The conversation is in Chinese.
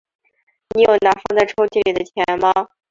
你有拿放在抽屉里的钱吗？